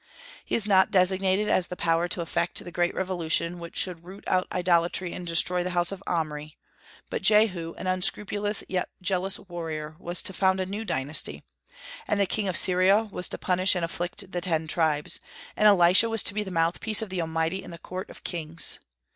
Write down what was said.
He is not designated as the power to effect the great revolution which should root out idolatry and destroy the house of Omri; but Jehu, an unscrupulous yet jealous warrior, was to found a new dynasty, and the king of Syria was to punish and afflict the ten tribes, and Elisha was to be the mouth piece of the Almighty in the court of kings.